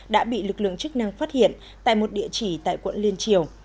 đã bị lực lượng chức năng phát hiện tại một địa chỉ tại quận liên triều